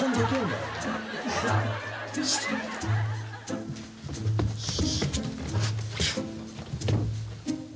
よし。